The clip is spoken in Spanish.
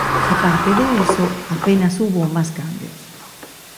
A parte de eso, apenas hubo más cambios.